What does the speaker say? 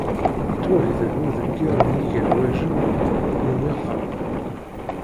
Yettwagdel udegger n yigerwajen deg umiq-a.